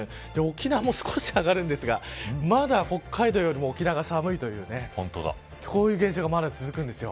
沖縄も少し上がるんですがまだ北海道よりも沖縄が寒いというこういう現象がまだ続くんです。